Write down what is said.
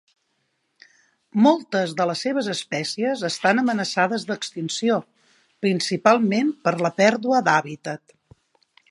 Moltes de les seves espècies estan amenaçades d'extinció principalment per la pèrdua d'hàbitat.